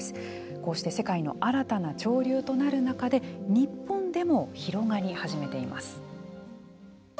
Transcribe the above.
こうして世界の新たな潮流となる中で日本でも広がり始めています。